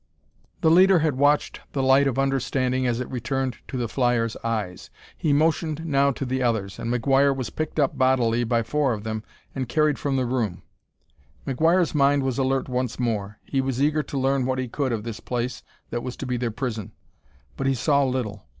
The leader had watched the light of understanding as it returned to the flyer's eyes. He motioned now to the others, and McGuire was picked up bodily by four of them and carried from the room. McGuire's mind was alert once more; he was eager to learn what he could of this place that was to be their prison, but he saw little.